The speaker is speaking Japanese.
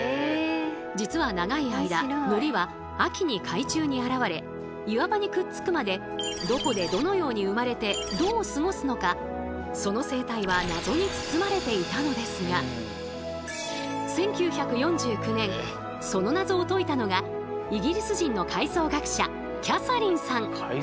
実は長い間海苔は秋に海中に現れ岩場にくっつくまでどこでどのように生まれてどう過ごすのかその生態は謎に包まれていたのですが１９４９年その謎を解いたのがイギリス人の海藻学者キャサリンさん。